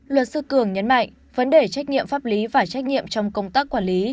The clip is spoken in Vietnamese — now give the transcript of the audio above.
luật sư cường nhấn mạnh vấn đề trách nhiệm pháp lý và trách nhiệm trong công tác quản lý